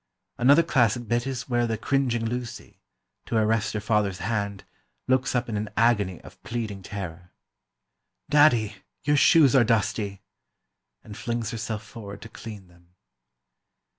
Another classic bit is where the cringing Lucy, to arrest her father's hand, looks up in an agony of pleading terror: "Daddy, your shoes are dusty!" And flings herself forward to clean them.